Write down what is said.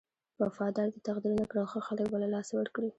که وفادار دې تقدير نه کړل ښه خلک به له لاسه ورکړې.